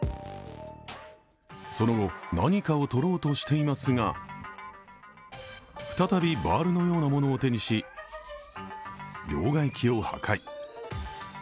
その後、何かを取ろうとしていますが再びバールのようなものを手にし両替機を破壊。